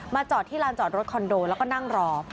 จอดที่ลานจอดรถคอนโดแล้วก็นั่งรอ